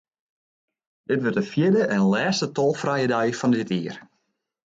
Dit wurdt de fjirde en lêste tolfrije dei fan dit jier.